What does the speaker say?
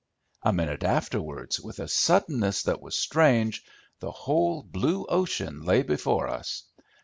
A minute afterwards, with a suddenness that was strange, the whole blue ocean lay before us.